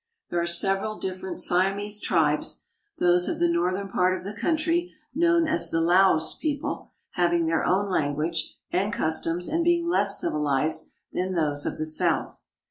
There are several different Siamese tribes, those of the northern part of the country, known as the Laos people, having their own language and customs and 1 88 SIAM AND THE SIAMESE being less civilized than those of the south.